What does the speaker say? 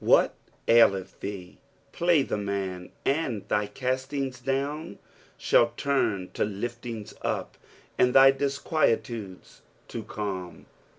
What aileth thee i Play the man, anil thy castings down shall turn to liftings up, and thy disquietudes to calm.